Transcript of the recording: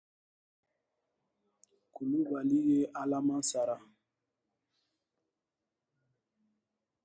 Coulibaly ye alaman sara.